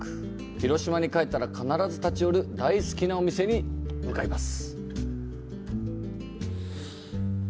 広島に帰ったら必ず立ち寄る大好きなお店に向かいます。